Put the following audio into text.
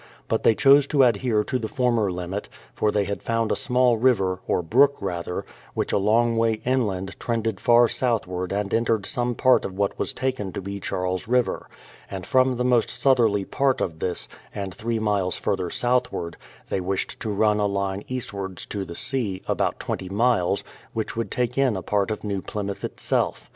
But they chose to adhere to the former limit, for they had found a small river, or brook rather, which a long way inland trended far southward and en tered some part of what was taken to be Charles River; and from the most southerly part of this, and 3 miles further southward, they wished to run a line eastwards to the sea, about 20 miles, which would take in a part of New Plymouth itself.